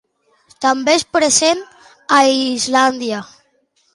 També és present a Islàndia.